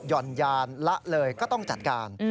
่อนยานละเลยก็ต้องจัดการ